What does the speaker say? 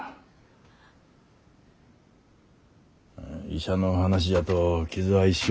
医者の話じゃと傷は一生。